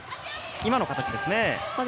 今の形ですね。